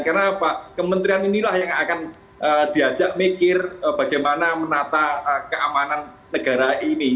karena pak kementerian inilah yang akan diajak mikir bagaimana menata keamanan negara ini